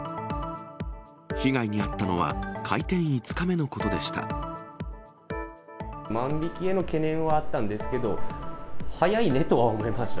被害に遭ったのは、万引きへの懸念はあったんですけど、早いねとは思いました。